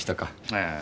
ええ。